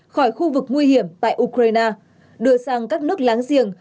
khỏi khu vực nguy hiểm tại ukraine đưa sang các nước láng giềng